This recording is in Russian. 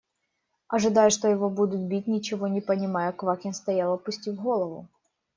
Ожидая, что его будут бить, ничего не понимая, Квакин стоял, опустив голову.